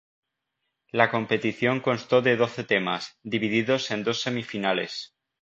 La competición constó de doce temas, divididos en dos semifinales.